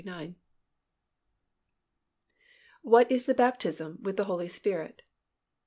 _What is the baptism with the Holy Spirit?